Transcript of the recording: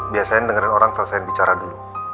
biasanya dengerin orang selesai bicara dulu